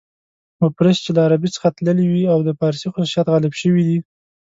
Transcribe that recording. مفرس چې له عربي څخه تللي وي او د فارسي خصوصیات غالب شوي دي.